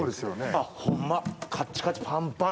あっホンマカッチカチパンパン。